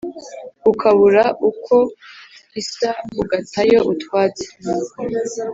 Ukabura ukwo isa ugatayo utwatsi!